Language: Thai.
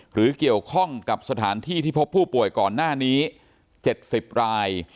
หรือเกี่ยวข้องกับสถานที่ที่พบผู้ป่วยก่อนหน้านี้๗๐ราย